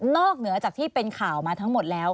เหนือจากที่เป็นข่าวมาทั้งหมดแล้ว